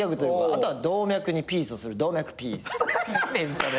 あとは動脈にピースをする「動脈ピース」何やねんそれ。